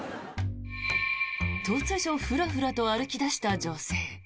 突如、フラフラと歩き出した女性。